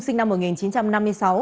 sinh năm một nghìn chín trăm năm mươi sáu